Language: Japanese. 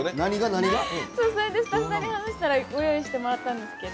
スタッフさんに話したら用意してもらったんですけど。